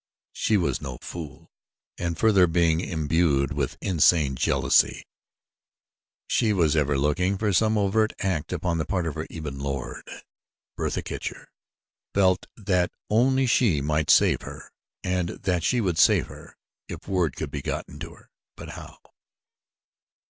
She was no fool and, further, being imbued with insane jealousy she was ever looking for some overt act upon the part of her ebon lord. Bertha Kircher felt that only she might save her and that she would save her if word could be but gotten to her. But how?